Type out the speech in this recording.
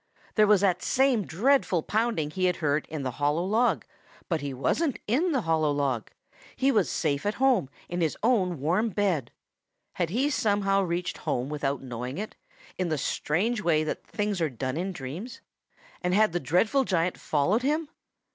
There was that same dreadful pounding he had heard in the hollow log, but he wasn't in the hollow log; he was safe at home in his own warm bed. Had he somehow reached home without knowing it, in the strange way that things are done in dreams, and had the dreadful giant followed him?